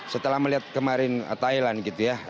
setelah melihat kemarin thailand gitu ya